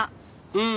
うん。